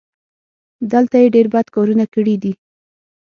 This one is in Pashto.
دلته یې ډېر بد کارونه کړي دي.